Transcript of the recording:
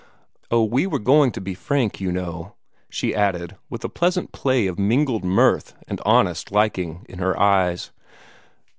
"Oh, we were going to be frank, you know," she added, with a pleasant play of mingled mirth and honest liking in her eyes.